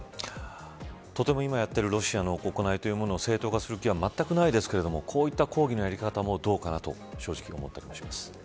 とても今やっているロシアの行いというものを正当化したくありませんがこういった抗議のやり方もどうかと正直、思ったりします。